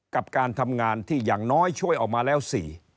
กับการทำงานที่อย่างน้อยช่วยออกมาแล้ว๔